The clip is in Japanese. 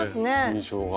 印象が。